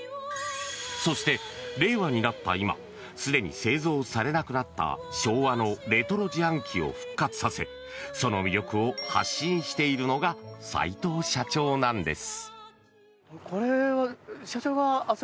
そして令和になった今すでに製造されなくなった昭和のレトロ自販機を復活させその魅力を発信しているのが齋藤社長なんです。